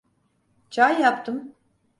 Çay yaptım.